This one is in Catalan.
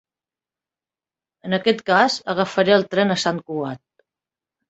En aquest cas, agafaré el tren a Sant Cugat.